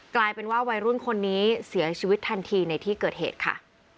กลายเป็นว่าวัยรุ่นคนนี้เสียชีวิตทันทีในที่เกิดเหตุค่ะ